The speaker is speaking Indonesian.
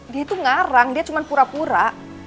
dia itu ngarang dia cuma pura pura